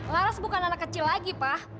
laras bukan anak kecil lagi pak